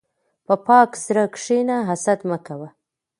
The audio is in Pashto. په پاک زړه کښېنه، حسد مه کوه.